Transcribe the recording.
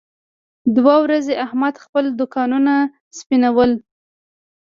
دوه ورځې احمد خپل دوکانونه سپینول.